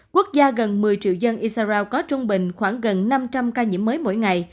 quốc gia gần một mươi triệu dân isarao có trung bình khoảng gần năm trăm linh ca nhiễm mới mỗi ngày